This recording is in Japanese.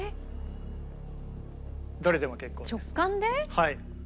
はい。